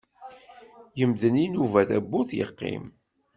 Yemdel Inuba tawwurt yeqqim.